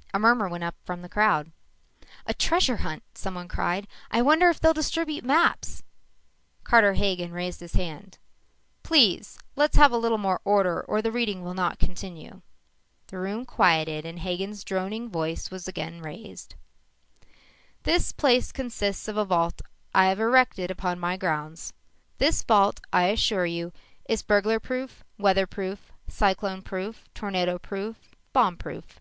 _" A murmur went up from the crowd. "A treasure hunt!" someone cried. "I wonder if they'll distribute maps!" Carter Hagen raised his hand. "Please! Let's have a little more order or the reading will not continue." The room quieted and Hagen's droning voice was again raised: "_This place consists of a vault I have had erected upon my grounds. This vault, I assure you, is burglar proof, weather proof, cyclone proof, tornado proof, bomb proof.